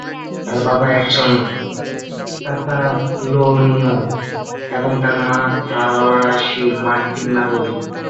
তার বাবা একজন কাতালোনিয় এবং তার মা ফরাসী-মার্কিন নাগরিক।